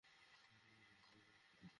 আপনার কী মত?